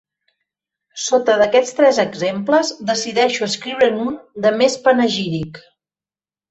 Sota d'aquests tres exemples decideixo escriure'n un de més panegíric.